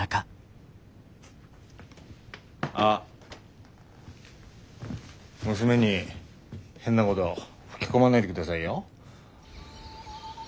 あっ娘に変なごど吹き込まないでくださいよ。